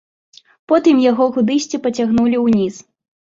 Потым яго кудысьці пацягнулі ўніз.